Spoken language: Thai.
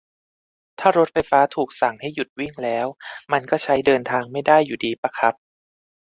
ถ้ารถไฟฟ้าถูกสั่งให้หยุดวิ่งแล้ว มันก็ใช้เดินทางไม่ได้อยู่ดีปะครับ